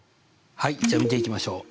はいじゃあ見ていきましょう。